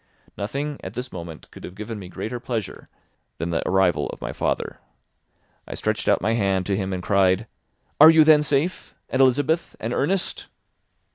Nothing, at this moment, could have given me greater pleasure than the arrival of my father. I stretched out my hand to him and cried, "Are you then safe—and Elizabeth—and Ernest?"